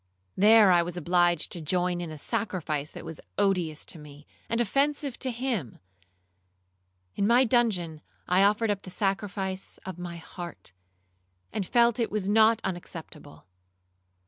There I was obliged to join in a sacrifice that was odious to me, and offensive to him;—in my dungeon I offered up the sacrifice of my heart, and felt it was not unacceptable.